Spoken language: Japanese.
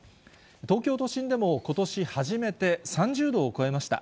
東京都心でもことし初めて、３０度を超えました。